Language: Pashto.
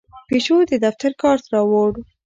پیشو د دفتر کارت راوړ.